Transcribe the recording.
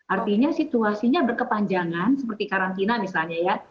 artinya situasinya berkepanjangan seperti karantina misalnya ya